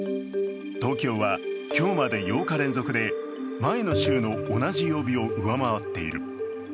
東京は今日まで８日連続で前の週の同じ曜日を上回っている。